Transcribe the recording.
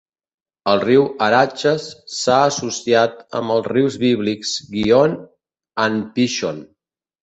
El riu Araxes s'ha associat amb els rius bíblics Gihon and Pishon.